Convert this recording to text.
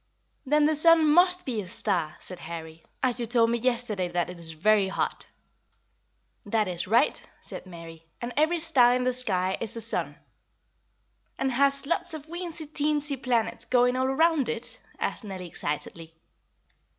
"Then the sun must be a star," said Harry, "as you told me yesterday that it is very hot." "That is right," said Mary; "and every star in the sky is a sun." "And has lots of weensy teensy planets going all around it?" asked Nellie excitedly.